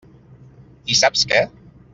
I saps què?